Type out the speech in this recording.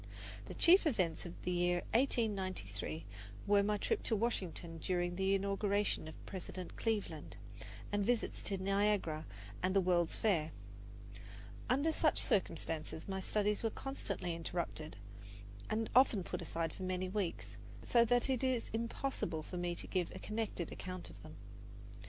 The chief events of the year 1893 were my trip to Washington during the inauguration of President Cleveland, and visits to Niagara and the World's Fair. Under such circumstances my studies were constantly interrupted and often put aside for many weeks, so that it is impossible for me to give a connected account of them.